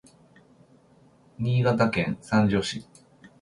Niigataken sanjo si